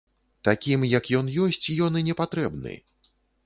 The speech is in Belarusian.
Такім, як ён ёсць, ён і не патрэбны.